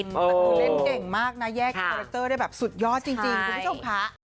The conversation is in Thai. แต่คือเล่นเก่งมากนะแยกคาแรคเตอร์ได้แบบสุดยอดจริงคุณผู้ชมค่ะ